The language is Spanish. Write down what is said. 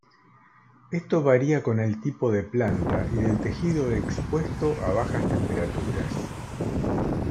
Esto varía con el tipo de planta y del tejido expuesto a bajas temperaturas.